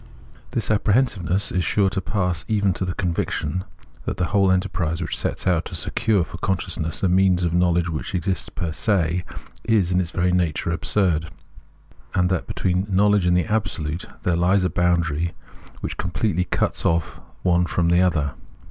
This apprehensiveness is sure to pass even into the conviction that the whole enterprise which sets out to secure for consciousness by means of knowledge what exists fer se, is in its very nature absurd ; and that between knowledge and the Absolute there lies a boundary which completely cuts o£E the one from the other.